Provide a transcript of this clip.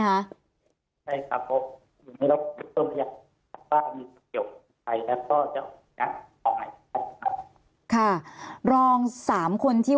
ใช่ครับผมอยู่ในรวบรวมพยาน